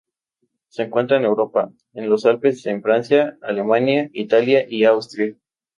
Se encuentra en Europa: en los Alpes en Francia, Alemania, Italia y Austria.